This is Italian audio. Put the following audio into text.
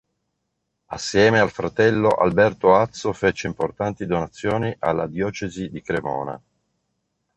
Assieme al fratello Alberto Azzo fece importanti donazioni alla diocesi di Cremona.